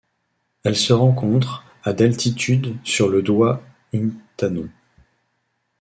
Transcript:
Elle se rencontre à d'altitude sur le Doi Inthanon.